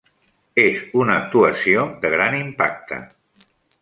És una actuació de gran impacte.